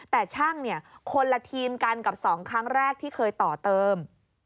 แต่ช่างคนละทีมกันกับ๒ครั้งแรกที่เคยต่อเติม